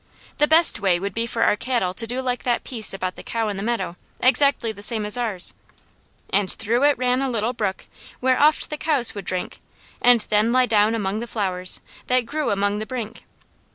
The best way would be for our cattle to do like that piece about the cow in the meadow exactly the same as ours: "'And through it ran a little brook, Where oft the cows would drink, And then lie down among the flowers, That grew upon the brink.'